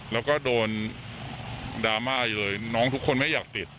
แล้วก็โดนดราม่าอยู่เลยน้องทุกคนไม่อยากติด